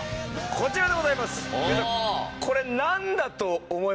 こちらでございます！